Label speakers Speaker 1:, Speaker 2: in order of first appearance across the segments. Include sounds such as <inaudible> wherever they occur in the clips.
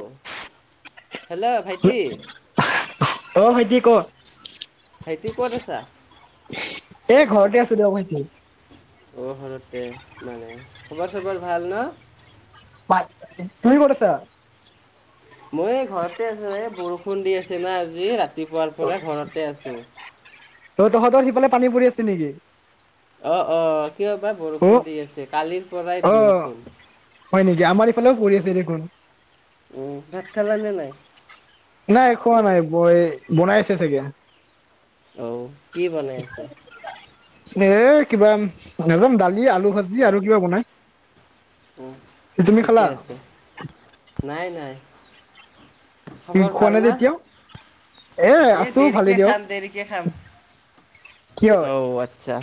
Speaker 1: অ। Hello ভাইটি।
Speaker 2: অ ভাইিট ক।
Speaker 1: ছা।
Speaker 2: এ ঘৰতে আছো দিয়ক ভাইটি।
Speaker 1: অ সৰতে মানে খবৰ চবৰ ভাল ন।
Speaker 2: তুমি ক'ত আছা।
Speaker 1: মই এই ঘৰতে আছো এই বৰষুণ দি আছে না আজি ৰাতি। ৰাতিপুৱাৰ পৰা ঘৰতে আছো।
Speaker 2: অ তহঁতৰ সিফালে পানী পৰি আছে নেকি?
Speaker 1: অ অ কিয় বা
Speaker 2: অ
Speaker 1: বৰষুণ দি আছে কালিৰ পৰাই
Speaker 2: অ
Speaker 1: বৰষুণ।
Speaker 2: হয় নেকি আমাৰ ইফালেও পৰি আছে দেখোন
Speaker 1: উম ভাত খালা নে নাই?
Speaker 2: নাই খোৱা নাই বই বনাই আছে চাগে!
Speaker 1: অ। কি বনাই আছে।
Speaker 2: এ কিবা নেজানো দালি আলু ভাজি আৰু কিবা বনাই।
Speaker 1: উ
Speaker 2: তুমি খালা
Speaker 1: ঠিকে আছে নাই নাই।
Speaker 2: তুমি
Speaker 1: খবৰ
Speaker 2: খোৱা
Speaker 1: ভাল
Speaker 2: নাই যে
Speaker 1: না
Speaker 2: এতিয়াও এ
Speaker 1: এই
Speaker 2: আছো ভালে
Speaker 1: দেৰিকে
Speaker 2: দিয়ক
Speaker 1: খাম দেৰিকে খাম
Speaker 2: কিয়
Speaker 1: অঔ আচ্ছা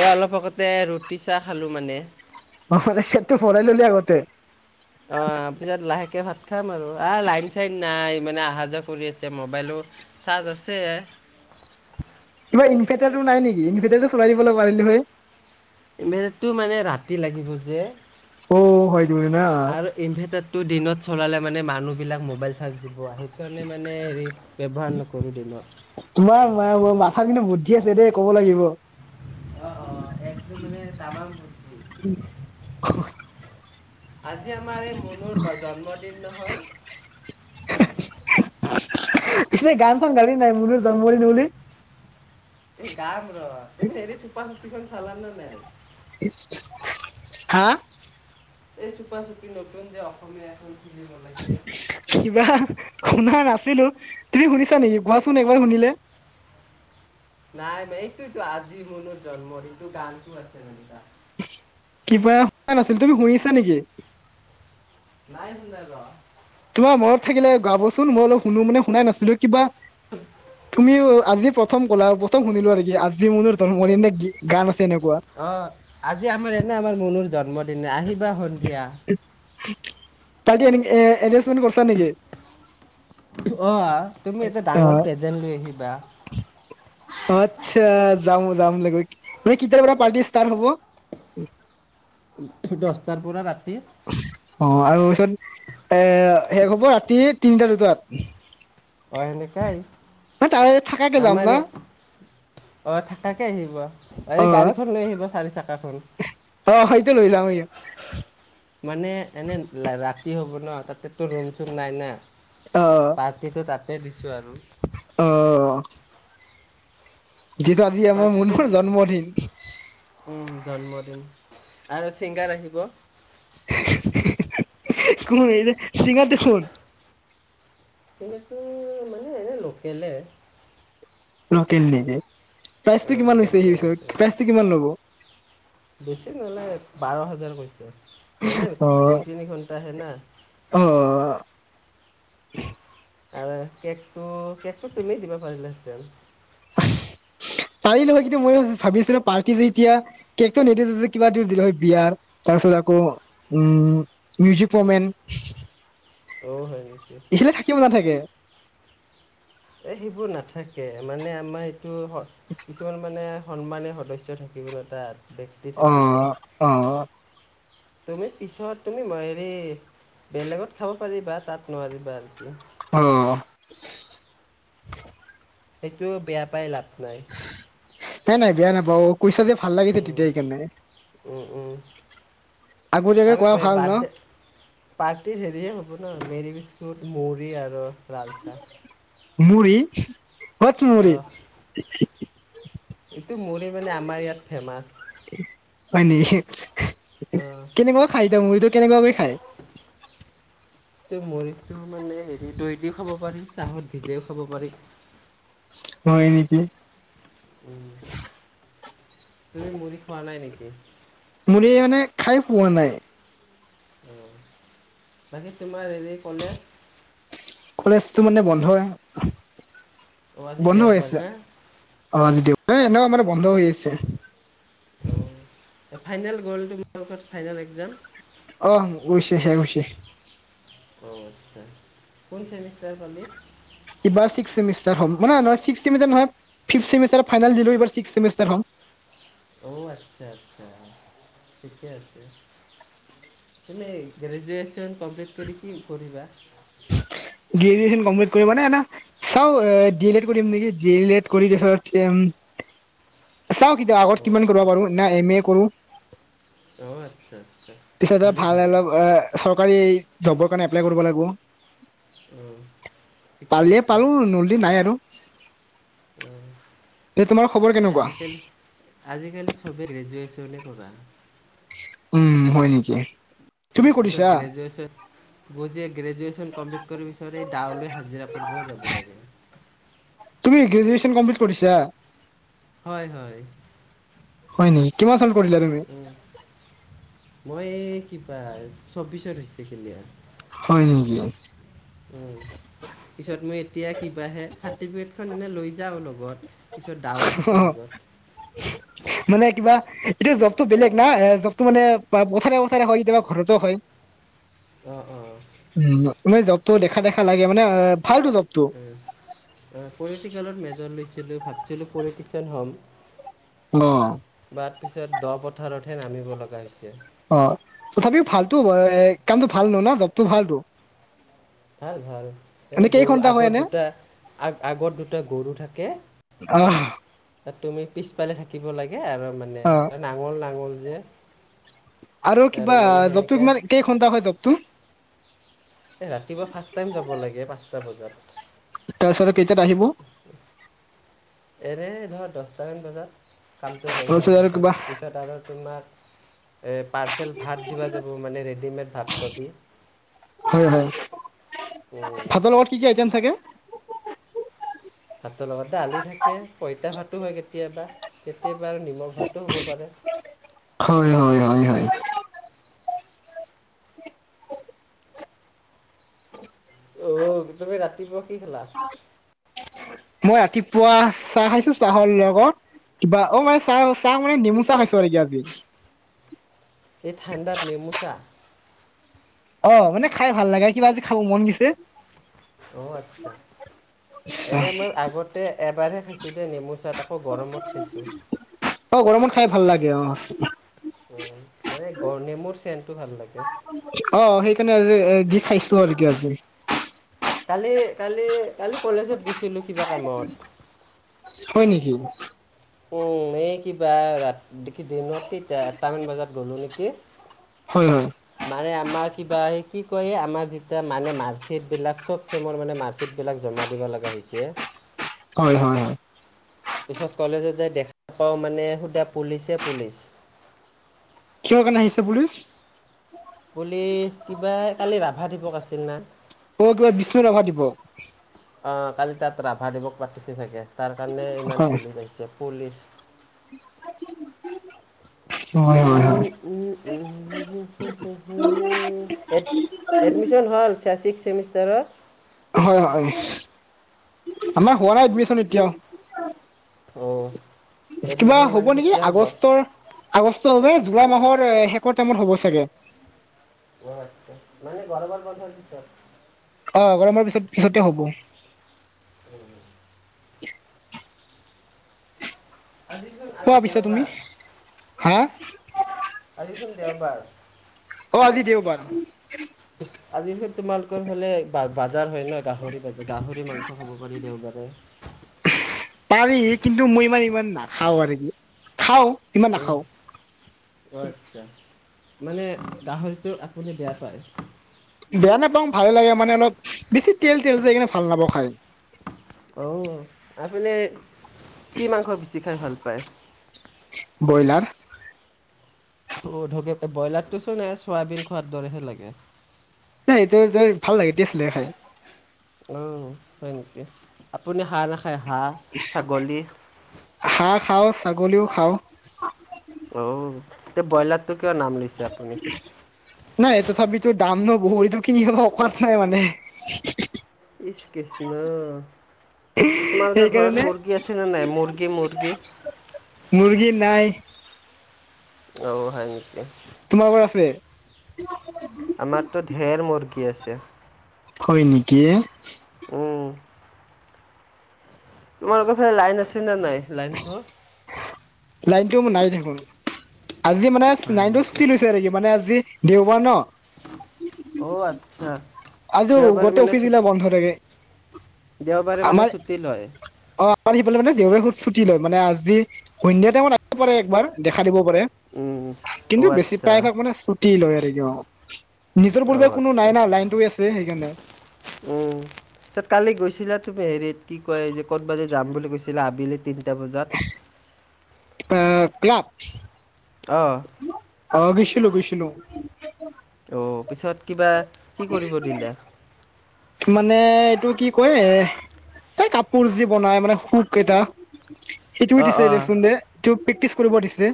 Speaker 1: এই অলপ আগতে ৰুটি তিচা খালোঁ মানে।
Speaker 2: অ পেটটো ভৰাাই ললি আগতে।
Speaker 1: অ পিছত লাহেকে ভাত খাম আৰু আহ লাইন চাইন নাই মানে অহা যোৱা কৰি আছে মবাইলো চাৰ্জ আছে।
Speaker 2: কিবা ইনভাৰটাৰটো নাই নেকি ইনভাৰটাৰটো চলাই দিবলৈ পাৰিলি হয়,
Speaker 1: ইম্ভাৰ্তৰটো মানে ৰাতি লাগিব যে।
Speaker 2: অ সেইটোৱে না
Speaker 1: টো দিনত চলালে মানে মানুহবিলাক মোবাইল চাৰ্জ দিব আহে সেইকাৰণে মানে হেৰি ব্যৱহাৰ নকৰোঁ দিনত।
Speaker 2: ঠিক আছে দেই ক'ব লাগিব।
Speaker 1: অ অ একটো মানে তামং কি আজ আমাৰাৰে কোনুৰ বা জন্মদিন নহয়। হয়।
Speaker 2: এ গান চান গালি নাই মনু জন্মদিন বুলি।
Speaker 1: এই গাম ৰ, তুমি হেৰি চুপা চুপীখন চালা নে নাই?
Speaker 2: হা!
Speaker 1: এই চুপা চুপি নতুন যে অসমমীয়া এখন ছবি বনাইছে।
Speaker 2: কিবা শুনা নাছিলো তুমি শুনিছা নেকি কোৱাচোন একবাৰ শুনিলে।
Speaker 1: নাই ম এইটোতো আজি মনৰ জন্মদিন গানটো আছে হেনেকোৱা।
Speaker 2: কিবা শুোৱা নাছিল। তুমি শুনিছা নেকি?
Speaker 1: নাই শু নাই ৰ
Speaker 2: তোমাৰ মনত থাকিলে গাবচোন মই অলপ শুনো মানে শুনাই নাছিলো কিবা, তুমি আজি প্ৰ প্ৰথম ক'লা আৰু প্ৰথম শুনিলোঁ কি আজি মোৰ ম এনে গান আছে এনেকুৱা
Speaker 1: অ আজি আমাৰ এনে আমাৰ মনুৰ জন্ম দিনে আহি প্বা সন্ধিয়া
Speaker 2: তালি এডজাষ্টমেণ্ট কৰিছ নেকি
Speaker 1: আহ তুমি এটা
Speaker 2: অ
Speaker 1: ডাঙৰ পেজেন্ট লৈ আহিবা
Speaker 2: আচ্ছা যাম যাম ল কেতিয়াৰ পৰা পাৰ্টি ষ্টাৰ্ট হব
Speaker 1: দছটাৰ পৰা ৰাতি
Speaker 2: অ আৰু পিছত এ শেষ হব ৰাতি তিনিটা দুটাত
Speaker 1: এনেকাই
Speaker 2: ম ত থাকাইটো দাম ন
Speaker 1: অঁ থাকাকৈ আহিব এই
Speaker 2: অ
Speaker 1: গাড়ীখন লৈ আহিব চাৰি চাক তাকোন
Speaker 2: অ হেটো লৈ যামই
Speaker 1: মানে এনে ৰাতি হ'ব ন তাতেতো ৰুম চুম নাই না পাৰ্টিটো তাত স দিছোঁ আৰু
Speaker 2: আহ যিটো আজি আমাৰ
Speaker 1: পাৰ্টিটো
Speaker 2: মনৰ জন্মদিন
Speaker 1: জন্মদিন আৰু চিংগাৰ আহিব
Speaker 2: কোন এই চিঙাৰটো কোন
Speaker 1: সন্তো মানে এনেই নকৰিলে হয়
Speaker 2: কৰ্তেল নেকি প্ৰাইচটো কিমান হৈছে সেই
Speaker 1: লোকেল
Speaker 2: পিছত
Speaker 1: চিমেণ্ট
Speaker 2: প্ৰাইচটো কিমান লব
Speaker 1: বেছি নলয় বাৰ হাজাৰ পইচা মানে
Speaker 2: অ
Speaker 1: দুই তিনি ঘণ্টা হে না
Speaker 2: উ
Speaker 1: আৰু কেকটো কেকটো তুমি দিব পাৰিলাহেঁতেন
Speaker 2: পাৰিলো হয় কিন্তু মই ভাবিছিলো পাৰ্টি যে এতিয়া কেক নিদো যে কিবা দ বিয়াৰ তাৰ পিছত আকৌ উ মিউজিক পমে
Speaker 1: অ হয় নেকি
Speaker 2: ইখিলে থাকিব নাথাকে
Speaker 1: এই সেইবোৰ নাথাকে মানে আমাৰ এই কিছুমান মানে সন্মানে সদস্য থাকিব ন তাত ব্যক্তি থাকিব
Speaker 2: আহ আহ
Speaker 1: তুমি পিছত তুমিই হেৰি বেলেগত খাব পাৰিবা তাত নোৱাৰিবা আৰু কি
Speaker 2: অ
Speaker 1: সেইটো বেয়া পাই লাভ নাই
Speaker 2: নাই নাই বেয়া নাপা অ কৈছা যে ভাল লাগিছে তেতিয়া সেইকাৰণে আগতীয়াকে
Speaker 1: আমি
Speaker 2: কোৱা ভাল ন
Speaker 1: বাৰ্থডে পাৰ্টি হেৰিয়ে হ'ব ন? মেৰিজটো <unintelligible> আৰু লালচা
Speaker 2: মুৰি
Speaker 1: এইটো মুড়ি মানে আমাৰ ইয়াত ফেমাছ
Speaker 2: <unintelligible>
Speaker 1: অঁ
Speaker 2: কেনেকুৱা খাই দে মুৰিটো? কেনেকুৱা খাই
Speaker 1: এই মুৰিটো মানে এই দৈ দিও খাব পাৰি চাহত ভিজাইও খাব পাৰি।
Speaker 2: হয় নেকি?
Speaker 1: উ তুমি মুৰি খোৱা নাই নেকি? <inaudible>
Speaker 2: মুৰি মানে খাই পোৱা নাই।
Speaker 1: অ' বাকী তোম মাৰ ৰি কলেজ
Speaker 2: ধয়
Speaker 1: অঁ আজি
Speaker 2: বন্ধ হৈ
Speaker 1: দেওবাৰ
Speaker 2: আছে।
Speaker 1: না
Speaker 2: ‌ অ' আজি দেও ন এনেও আমাৰ বন্ধ হৈ আছে।
Speaker 1: অ' ফাইনেল গ'ল তোমা লগত ফাইনেল এক্জাম?
Speaker 2: আহ হৈছে শেষ হৈছে।
Speaker 1: অ' আচ্ছা কোন চছেমিষ্টাৰ পালি?
Speaker 2: এবাৰ ছিস্ক ছেমিষ্টাৰ হম মানে নহয় ছিস্ক ছেমিষ্টাৰ নহয় ‌ফিপ ছেমিষ্টাৰ ফাইনেল দিলোঁ এবাৰ ছিস্ক ছেমিষ্টাৰ হয়।
Speaker 1: অ' আচ্ছা আচছা ঠিকে আছে তুমি গ্ৰেজুৱেচন <unintelligible> কমপ্লিত কৰি‌ কি কৰিবা?
Speaker 2: গ্ৰ্জোৱেছন কমপ্লিট কৰিবা নে‌‍‍ নে চাও ডি এল লেড কৰিম নেকি ডি এল এড কৰি চাও কেতিয়া আগত
Speaker 1: অ
Speaker 2: কিমান কৰিব
Speaker 1: আচ্ছা
Speaker 2: পাৰো না এম এ কৰো
Speaker 1: অ আচ্ছা আচ্ছা
Speaker 2: পিছত
Speaker 1: ভালে
Speaker 2: ভাল
Speaker 1: ভালে
Speaker 2: অলপ চৰকাৰী। যাবৰ কাৰণে এপ্লাই কৰিব লাগিব।
Speaker 1: অ ঠিকে
Speaker 2: পালিয়ে
Speaker 1: আছে
Speaker 2: পালো নলী নাই আৰু।
Speaker 1: উম।
Speaker 2: তে তোমাৰ খবৰ
Speaker 1: এই
Speaker 2: কেনেকুৱা?
Speaker 1: আজিকালি আজিকালি চবেই গ্ৰেজুৱেচন তেনে কৰা
Speaker 2: উম হয় নেকি? তুমি
Speaker 1: পিছত
Speaker 2: কৰিছা?
Speaker 1: গ্ৰেজেশ্যন গজ গ্ৰেজুৱেশ্যন কমপ্লিট কৰিব বিচ তাউলে হাজিৰা ফুৰিব যাব লাগে।
Speaker 2: তুমি গ্ৰেজুৱেচন কমপ্লিট কৰিছা
Speaker 1: হয় হয়
Speaker 2: হয় নেকি কিমান কিমান কৰিলা তুমি?
Speaker 1: উম, মই এই কিবাৰ চৌবিশত হৈছে ক্লিয়াৰ।।
Speaker 2: হয় নেকি
Speaker 1: উ পিছত মই এতিয়া কিবাহে চাৰ্টিফিকেটখন এনে লৈ- যাওঁ লগত পিছত দাও থাকে
Speaker 2: অ',
Speaker 1: লগত
Speaker 2: মানে কিবা এতিয়া জ্ববটো বেলেগ না এ জ্ববটো মানে পথাৰে পথাৰে হয় কেতিয়াবা ঘৰতো হয়
Speaker 1: অঁ
Speaker 2: <unintelligible> জ্বব তো দেখা দেখা লাগে মানে অ
Speaker 1: উ উ পৰিটিকেলত মেজ- লৈছিলো ভাবছিলোঁ পলিটিকেল হ'ম
Speaker 2: অ
Speaker 1: তত দ পথাৰতহে নামিব লগা হৈছে
Speaker 2: অ তথাপিও ভালতো কামটো ভাল নো ন জবটো ভাল টো
Speaker 1: ভাল ভাল এনেই গৰু
Speaker 2: হয়
Speaker 1: আগত
Speaker 2: এনে?
Speaker 1: দুটা আ আগত দুটা গৰু থাকে
Speaker 2: আহ,
Speaker 1: আৰু তুমি পিছফালে থাকিব লাগে আৰু মানে
Speaker 2: অ',
Speaker 1: নাঙল নাঙল যে
Speaker 2: আৰু কিবা
Speaker 1: মানে
Speaker 2: জ্বপটো
Speaker 1: সেনেকৈ
Speaker 2: ইমান কেই ঘণ্টা হয় জ্বপটো
Speaker 1: এ ৰাতিপুৱা ফাৰ্ষ্ট টাইম যাব লাগে পাঁচটা বজাত
Speaker 2: তাৰ চতে <unintelligible> আহিব
Speaker 1: এৰে ধৰ দছটামান বজাত কামটো শেষ হোৱাৰ
Speaker 2: তাৰপিছত আৰু কিবা
Speaker 1: পিছত পিছত আৰু তোমাৰ এ পাৰ্চেল ভাত দিবা যাব মানে ৰেডিমেড ভাত পাবি
Speaker 2: হয় হয়।
Speaker 1: উম
Speaker 2: ভাতৰ লগত কি কি আইটেম থাকে
Speaker 1: ভাতৰ লগত দালি থাকে, পইতা ভাতো হয় কেতিয়াবা কেতিয়া-
Speaker 2: হয় হয় হয় হয়
Speaker 1: ঔ তুমি ৰাতিপুৱা কি খালা?
Speaker 2: মই ৰাতিপুৱা চাহ খাইছো চাহৰ লগত কিবা অ মানে চাহ চাহ মানে নেমু চাহ খাইছো নেকি আজি
Speaker 1: এই ঠানদাত নেমু চা
Speaker 2: অ মানে খাই ভাল লাগে কিবা আজি খাব মন গৈছে
Speaker 1: অঁ আচ্ছা এনে মই আগতে এবাৰহে খাইছোঁ দেই নেমু চাট আকৌ গৰমত খাইছোঁ।
Speaker 2: য়ে অ
Speaker 1: উ মানে গ নেমুৰ চেনটো ভাল লাগে
Speaker 2: অ সেইকাৰণে আজি এই যি খাইছো আৰু কি আজি
Speaker 1: কালি কালি কালি কলেজত গৈছিলো কিবা কামত?
Speaker 2: হয় নেকি?
Speaker 1: উম এই কিবা ৰা দি কি দিনত তিতে আটটামান বজাত গ'লো নে কি
Speaker 2: হয় হয়
Speaker 1: মানে আমাৰ কিবা এই- কি কয় য়ে আমাৰ যেতিয়া মানে মাৰ্কশ্বিটবিলাক চব চেমৰ মানে মাৰ্কশ্বিটবিলাক জমা দিব লগা হৈছে।
Speaker 2: হয় হয় হয়।
Speaker 1: পিছত কলেজত যাই দেখা পাওঁ মানে সুধা পুলিচে এ পুলিচ
Speaker 2: কিহৰ কাৰণে আহিছে পুলিচ?
Speaker 1: পুলিচ কিবা কালি ৰাভা দিৱস আছিল না
Speaker 2: ষ্ণু ৰাভা দিৱস।
Speaker 1: অ' কালি তাত ৰাভা দিৱস পাতিছে চাগে। তাৰ কাৰণে ইমান
Speaker 2: হয়
Speaker 1: পুলিচ আহিছে পুলিচ
Speaker 2: <inaudible>
Speaker 1: ও
Speaker 2: হয় হয়।
Speaker 1: ও ও‌ এড এডমিশন হ'ল ছে ছিক্স ছেমি- ষ্টাৰৰ?
Speaker 2: হয় অ আমাৰ হোৱা নাই এডমিশন এতিয়াও।
Speaker 1: অঁ
Speaker 2: কিবা
Speaker 1: এডমিশ্যন
Speaker 2: হ'ব
Speaker 1: মানে
Speaker 2: নেকি
Speaker 1: কেতিয়া হ'ব
Speaker 2: আগষ্টৰ আগষ্ট ভাবে জুলাই মাহৰ শেষৰ টাইমত হ'ব চাগে।
Speaker 1: অ আচ্ছা মানে গৰমৰ বন্ধৰ পিছত?
Speaker 2: অ গৰমৰ পিছত পিছতে হব।
Speaker 1: উম
Speaker 2: <inaudible>
Speaker 1: আজিচোন আজি
Speaker 2: কোৱা পিছা তুমি
Speaker 1: দেওবাৰ
Speaker 2: হা?
Speaker 1: আজিচোন দেওবাৰ
Speaker 2: অ আজি দেওবাৰ
Speaker 1: আজিচোন তোমালোকৰ ফালে বা বা জাৰ হয় ন? গাহৰি বজাৰ গাহৰি মাংস খাব পাৰি দেওবাৰে।
Speaker 2: পাৰি কিন্তু মই ইমান ইমান নাখাওঁ আৰি খাওঁ
Speaker 1: অ' আত্ছা। মানে গাহৰিটো আপুনি বেয়া পায়?
Speaker 2: বেয়া নাপাওঁ ভালে লাগে মানে অলপ বেছি তেল তেল যা সেইকাৰণে ভাল নাপাওঁ খাই।
Speaker 1: অ আপুনি কি মাংস বেচি খাই ভাল‌ পা‌য়? ভাল পায়
Speaker 2: ব্ৰইলাৰ
Speaker 1: অ <unintelligible> ব্ৰইলাৰটোচোন এ চয়াবিন খোৱাৰ দৰেহে লাগে
Speaker 2: <unintelligible> ‌ খাই
Speaker 1: অ হয় নেকি আপুনি হাঁহ নাখায় হাঁহ, ছাগলী?
Speaker 2: হাঁহ খাওঁ ছাগলীও খাওঁ!
Speaker 1: অ তে ব্ৰইলাৰটো কিয় নাম লৈছে আপুনি
Speaker 2: নাই এ তথাপিতো দাম ন বইলাৰটো কিনি থব অকাত নাই মানে।
Speaker 1: ইছ কৃষ্ণ তোমালোকৰ ঘৰত
Speaker 2: সেইকাৰণে
Speaker 1: মুৰ্গী আছে নে নাই মুৰ্গী মুৰ্গী?
Speaker 2: মুৰ্গী নাই
Speaker 1: অঔ হয় নেকি।
Speaker 2: তোমালোকৰ <inaudible>
Speaker 1: আমাৰতো ঢেৰ মুৰ্গী আছে। <inaudible>
Speaker 2: হয় নেকি!
Speaker 1: উম, তোমালোকৰ ফালে লাইন আছে নে নাই লাইনটো?
Speaker 2: লাইনটো মোৰ নাৰি থাকো। <unintelligible> আজি মানে
Speaker 1: হয়
Speaker 2: নাইন টো
Speaker 1: নেকি?
Speaker 2: লৈছে নে মানে! আজি দেওবাৰ ন?
Speaker 1: অ আচ্ছা।
Speaker 2: আজো
Speaker 1: দেওবাৰে
Speaker 2: গোট
Speaker 1: মানে
Speaker 2: অফিচ
Speaker 1: ছু
Speaker 2: দিল বন্ধ থে <unintelligible>
Speaker 1: দেওবাৰে
Speaker 2: <inaudible>
Speaker 1: মানে
Speaker 2: আমাৰ
Speaker 1: ছুটি লয়।
Speaker 2: অ আমাৰ সিফালে মানে জৰেু <unintelligible> ছুটি লয় মানে আজি সন্ধিয়া টাইমত আহিব পাৰে একবাৰ দেখা দিব
Speaker 1: উম,
Speaker 2: কিন্তু
Speaker 1: অ'
Speaker 2: বেছি প্ৰ
Speaker 1: আচ্ছা,
Speaker 2: ভাগ মানে <unintelligible> ল ইাৰক <unintelligible> নিজৰ পূৰ্ব
Speaker 1: অ'
Speaker 2: কো
Speaker 1: আচ্ছা,
Speaker 2: নাই নাই লাইনটোছে
Speaker 1: উম তত কালি গ কৈছিলা তুমি হেৰিত কি কয় যে ক'ত বাজ যাম বুলি কৈছিলা আবেলি তিনিটা বজাত?
Speaker 2: আ ক্লাব।
Speaker 1: অ',
Speaker 2: অ গুছিল লো গুছ। <unintelligible> <inaudible>
Speaker 1: অ পিছত কিবা কি কৰিব দিলে?
Speaker 2: মানে এইটো কি কয় এই কাপোৰ যি বনাই মানে শুক কেইটা! এইটো
Speaker 1: অ',
Speaker 2: দিছে দেক
Speaker 1: অ',
Speaker 2: চোন দে। প্ৰেক্টিচ কৰিব দিছে।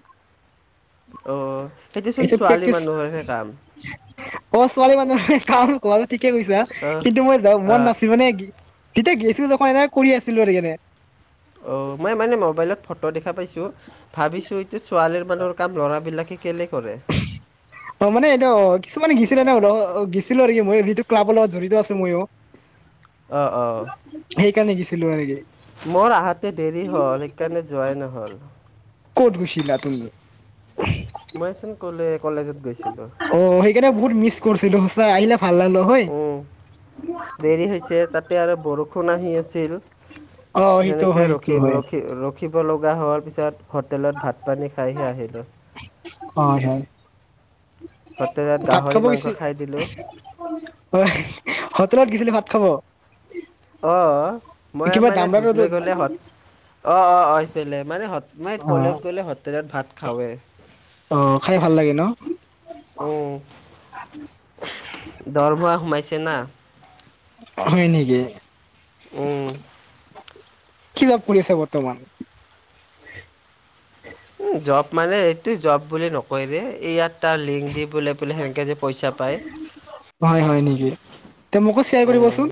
Speaker 1: অ' সেইটোচোন
Speaker 2: এচ
Speaker 1: ছোৱালী
Speaker 2: প্ৰেক্টিচ
Speaker 1: মানুহৰহে কাম।
Speaker 2: অ ছোৱালী মানুহে <unintelligible> ঠিকে কৈছা।
Speaker 1: অ'।
Speaker 2: কিন্তু মই যাওক মন
Speaker 1: অ'
Speaker 2: নাছিল মানে কি? তেতেয়া গেছিলো ত এনে কৰি আছিলো এনে
Speaker 1: অ মই মানে মবাইলত ফটো দেখা পাইছো। ভাবিছো এতিয়া ছোৱালীৰ মানুহৰ কাম ল'ৰাবলাকে কেলে কৰে।
Speaker 2: অ মানে এতিয়া অ কিছুমানে গিছিলে নেল গিছিলো আৰু কি মই যিটো ক্লাবৰ লগত জড়িত আছো মইও
Speaker 1: অঁ অঁ
Speaker 2: কেনে গৈছিলো আৰু গে
Speaker 1: মোৰ আহাতে দেৰি হ'ল সেইকাৰণে যোৱাই নহ'ল।
Speaker 2: ক'ত গুচিলা তুমি?
Speaker 1: মই চোন কলে কলেজত গৈছিলো।
Speaker 2: অ সেইকাৰণে বহুত মিছ কৰিছিলোঁ। আহিলে। ভাল লাগিলে হয়
Speaker 1: উ দেৰি হৈছে তাতে আৰু বৰষুণ আহি আছিল
Speaker 2: অ সেইটো
Speaker 1: সেনেকে
Speaker 2: হয় সেইটো
Speaker 1: ৰখি
Speaker 2: হয়
Speaker 1: ৰখি ৰখিব। লগা হোৱাৰ পিছত হোটেলত ভাত পানী খাইহে আহিলোঁ।
Speaker 2: হয় হয়
Speaker 1: হোটেলত
Speaker 2: ভাত
Speaker 1: গাহৰি
Speaker 2: খাব
Speaker 1: মাংস
Speaker 2: গৈছি।
Speaker 1: খাই দিলোঁ
Speaker 2: হয়। লত গছিলি ভাত খাব।
Speaker 1: অ মই
Speaker 2: কিবা
Speaker 1: মানে
Speaker 2: দামৰাৰো
Speaker 1: দুধ নৈ গলে হত অ অ অ পেলে মানে মাই
Speaker 2: অ
Speaker 1: কলেজ গলে হোটেলত ভাত খাওৱে।
Speaker 2: অ খাই ভাল লাগে ন
Speaker 1: আহ দৰমুৱা সোমাইছে না।
Speaker 2: হয় নেকি?
Speaker 1: উম।
Speaker 2: কি জপ কৰি আছা বৰ্তমান?
Speaker 1: উ জব মানে এইটো জব বুলি নকয়ৰে ইয়াত তাৰ লিংক দি বোলে বোলে সেনেকে যে পইচা পায়
Speaker 2: হয় হয় নেকি ত মোকো শ্বেয়াৰ
Speaker 1: উম
Speaker 2: কৰিবচোন